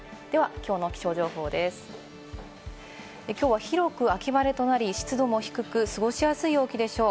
きょうは広く秋晴れとなり湿度も低く過ごしやすい陽気でしょう。